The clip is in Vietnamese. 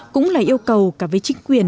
cũng là yêu cầu cả với chính quyền